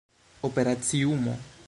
operaciumo